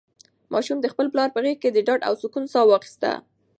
ماشوم د خپل پلار په غېږ کې د ډاډ او سکون ساه واخیسته.